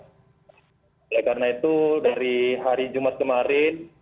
oleh karena itu dari hari jumat kemarin